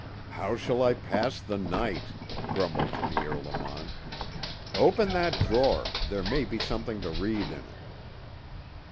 "How shall I pass the night?" grumbled Pierre Lamont. "Open that drawer; there may be something to read in it."